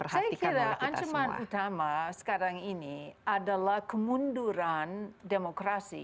saya kira ancaman utama sekarang ini adalah kemunduran demokrasi